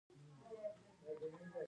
ایا ستاسو غرور به پر ځای نه وي؟